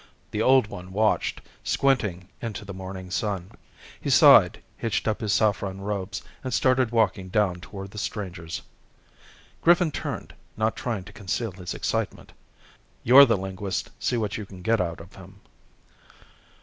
The Old One watched, squinting into the morning sun. He sighed, hitched up his saffron robes and started walking down toward the strangers. Griffin turned, not trying to conceal his excitement. "You're the linguist, see what you can get out of him."